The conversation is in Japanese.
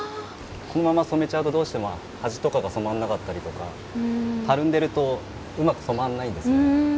このまま染めちゃうとどうしても端とかが染まんなかったりとかたるんでるとうまく染まんないんですよね。